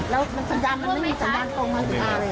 แล้วสัญญาณมันไม่มีสัญญาณตรงไหน